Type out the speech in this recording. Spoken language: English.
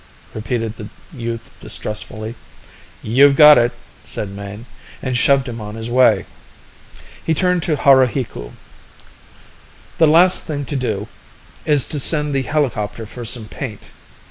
repeated the youth distrustfully. "You've got it," said Mayne, and shoved him on his way. He turned to Haruhiku. "The last thing to do is to send the helicopter for some paint.